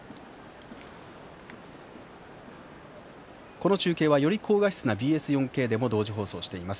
この中継は、より高画質なＢＳ４Ｋでも放送しています。